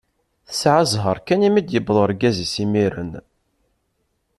Tesεa ẓẓher kan mi d-yewweḍ urgaz-is imir-en.